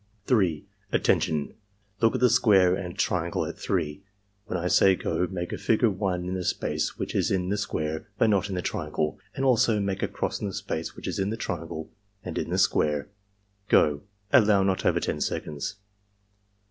3. "Attention! Look at the square and triangle at 3. When 1 say 'go' make a figure 1 in the space which is in the square but not in the triangle, and also make a cross in the space which is in the triangle and in the square. — Go!" (Allow not over 10 seconds.)